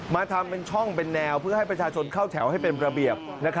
มาทำเป็นช่องเป็นแนวเพื่อให้ประชาชนเข้าแถวให้เป็นระเบียบ